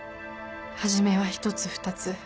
初めは１つ２つ。